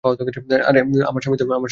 আরে তোমার স্বামী-ই তো এই বাচ্চার বাবা।